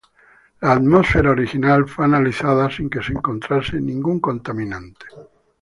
La atmósfera original fue analizada, sin que se encontrase ningún contaminante.